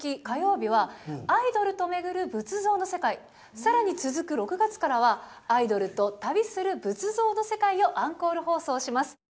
火曜日は「アイドルと巡る仏像の世界」更に続く６月からは「アイドルと旅する仏像の世界」をアンコール放送します。